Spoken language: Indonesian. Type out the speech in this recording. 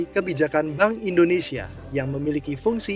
kebijakan bank indonesia yang memiliki fungsi